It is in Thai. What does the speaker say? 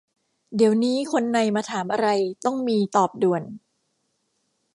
เดี๋ยวนี้คนใน มาถามอะไร ต้องมี ตอบด่วน